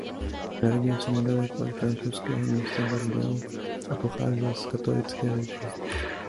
Narodil se nedaleko od francouzského města Bordeaux a pocházel z katolické rodiny.